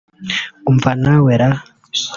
Umva na we ra